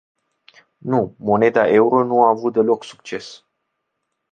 Nu, moneda euro nu a avut deloc succes.